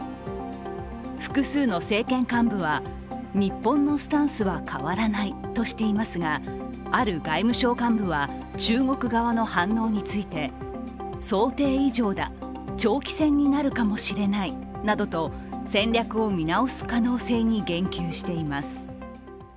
複数の政権幹部は、日本のスタンスは変わらないとしていますがある外務省幹部は、中国川の反応について想定以上だ、長期戦になるかもしれないなどと戦略を見直す可能性に言及しています。